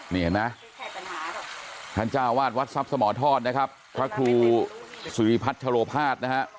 นี่เห็นไหมท่านเจ้าวาดวัดทรัพย์สมทอดนะครับพระครูสุริพัชโลภาษณนะฮะ